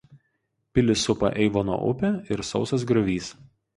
Pilį supa Eivono upė ir sausas griovys.